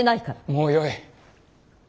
もうよい。